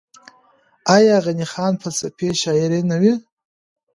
آیا غني خان فلسفي شاعر نه دی؟